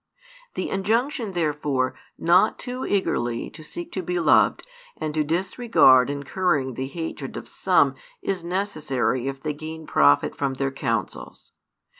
The injunction therefore not too eagerly to seek to be loved and to disregard incurring the hatred of some is necessary if they gain profit from their counsels.